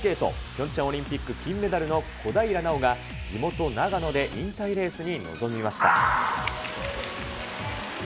ピョンチャンオリンピック金メダルの小平奈緒が、地元、長野で引退レースに臨みました。